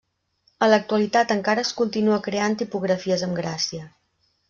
En l'actualitat encara es continua creant tipografies amb gràcia.